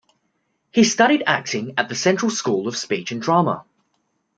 He studied Acting at the Central School of Speech and Drama.